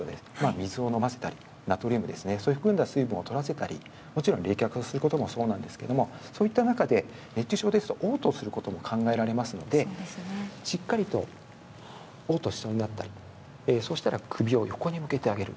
水を飲ませたりナトリウムを含んだ水分を取らせたりもちろん冷却することもそうなんですけどそういった中で熱中症ですと嘔吐することが考えられますのでしっかりと嘔吐しそうになったら首を横に向けてあげる。